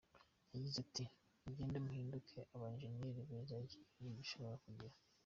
Yagize ati “Mugende muhinduke aba Engineers beza iki gihugu gishobora kugira.